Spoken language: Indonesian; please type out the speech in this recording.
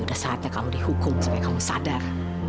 udah saatnya kamu dihukum supaya kamu sadar